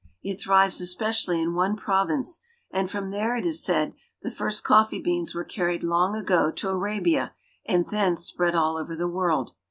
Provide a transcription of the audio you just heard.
It thrives especially in one province, and from there, it is said, the first coffee beans were carried long ago to Arabia, and thence spread all over the world.